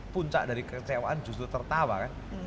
puncak dari kecewaan justru tertawa kan